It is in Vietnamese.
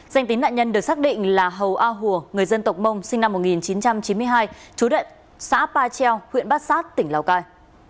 danh tính nạn nhân được xác định là hầu a hùa người dân tộc mông sinh năm một nghìn chín trăm chín mươi hai chú xã pa treo huyện bát sát tỉnh lào cai